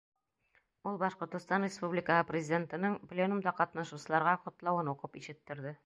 Ул Башҡортостан Республикаһы Президентының пленумда ҡатнашыусыларға ҡотлауын уҡып ишеттерҙе.